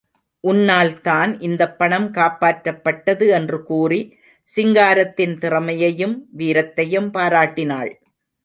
உன்னால் தான் இந்தப் பணம் காப்பாற்றப்பட்டது என்று கூறி, சிங்காரத்தின் திறமையையும், வீரத்தையும் பாராட்டினாள்.